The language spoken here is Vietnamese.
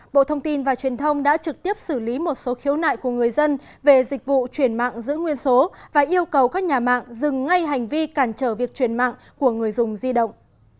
bộ thông tin và truyền thông đã trực tiếp xử lý một số khiếu nại của người dân về dịch vụ chuyển mạng giữ nguyên số và yêu cầu các nhà mạng dừng ngay hành vi cản trở việc chuyển mạng của người dùng di động